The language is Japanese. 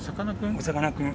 おさかなクン。